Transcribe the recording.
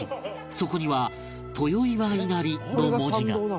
そこには「豊岩稲荷」の文字が